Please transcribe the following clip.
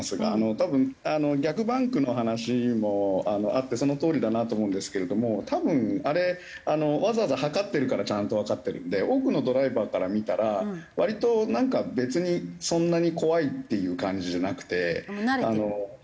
多分逆バンクの話もあってそのとおりだなと思うんですけれども多分あれわざわざ測ってるからちゃんとわかってるんで多くのドライバーから見たら割となんか別にそんなに怖いっていう感じじゃなくて。